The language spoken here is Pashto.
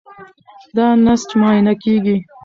دا نسج معاینه کېږي.